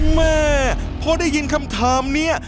แม่พอได้ยินคำถามนี้